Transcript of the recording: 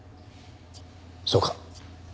そうか。